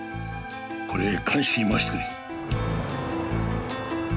これ鑑識にまわしてくれ。